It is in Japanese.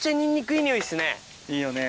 いいよね。